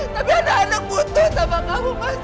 tapi anak anak butuh sama kamu mas